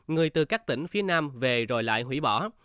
người từ các tỉnh phía nam về rồi lại hủy bỏ